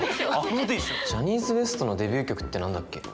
ジャニーズＷＥＳＴのデビュー曲って何だっけ？